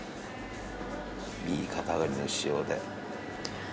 右肩上がりの塩で。